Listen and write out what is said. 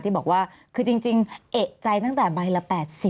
ที่บอกว่าคือจริงเอกใจตั้งแต่ใบละ๘๐